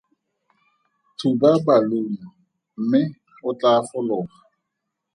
Thuba balunu mme o tlaa fologa.